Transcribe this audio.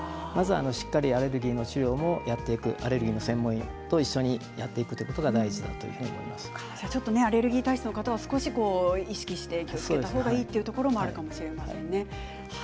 しっかりアレルギーの治療もやっていくアレルギーの専門医とやっていくことがアレルギー体質の方は意識した方がいいというところもあるかもしれませんね。